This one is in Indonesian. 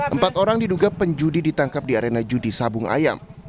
empat orang diduga penjudi ditangkap di arena judi sabung ayam